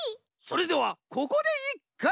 それではここでいっく。